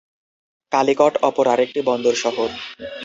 কালিকট অপর আরেকটি বন্দর শহর।